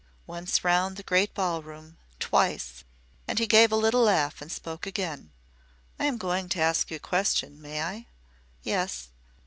Once round the great ballroom, twice, and he gave a little laugh and spoke again. "I am going to ask you a question. May I?" "Yes."